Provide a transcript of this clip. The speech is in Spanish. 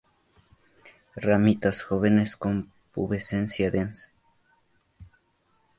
Ramitas jóvenes con pubescencia densa.